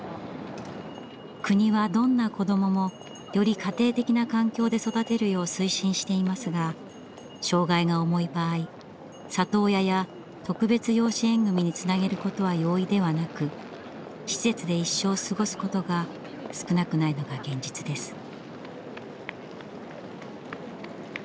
国はどんな子どももより家庭的な環境で育てるよう推進していますが障害が重い場合里親や特別養子縁組につなげることは容易ではなく施設で一生過ごすことが少なくないのが現実です。